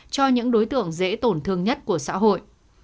cho những đối tượng dễ tổn thương nhất của xã hội